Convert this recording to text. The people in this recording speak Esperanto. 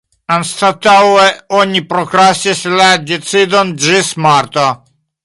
Anstataŭe oni prokrastis la decidon ĝis marto.